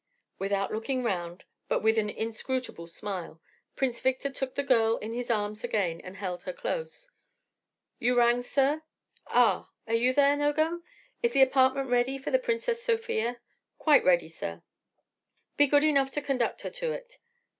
Without looking round, but with an inscrutable smile, Prince Victor took the girl in his arms again and held her close. "You rang, sir?" "Oh, are you there, Nogam? Is the apartment ready for the Princess Sofia?" "Quite ready, sir." "Be good enough to conduct her to it."